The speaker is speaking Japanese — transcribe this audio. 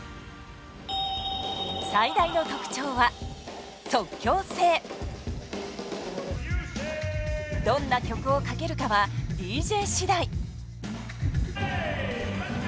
最大の特徴はどんな曲をかけるかはＤＪ次第。